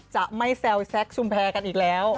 จะไม่แซวแซคชุมแพรกันอีกแล้ว